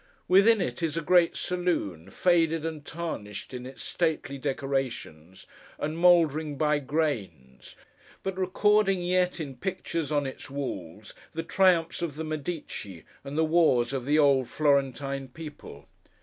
Within it, is a Great Saloon, faded and tarnished in its stately decorations, and mouldering by grains, but recording yet, in pictures on its walls, the triumphs of the Medici and the wars of the old Florentine people.